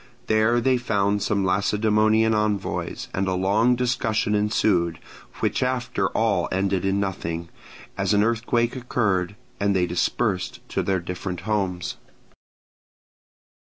There they found some Lacedaemonian envoys; and a long discussion ensued, which after all ended in nothing, as an earthquake occurred, and they dispersed to their different homes.